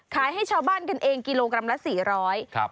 ให้ชาวบ้านกันเองกิโลกรัมละ๔๐๐บาท